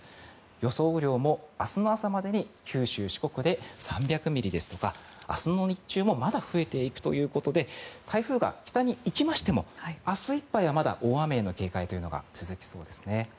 予想雨量も明日の朝までに九州・四国で３００ミリですとか明日の日中もまだ増えていくということで台風が北に行きましても明日いっぱいはまだ大雨の警戒というのが続きそうですね。